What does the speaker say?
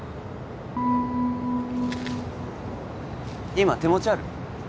今手持ちある？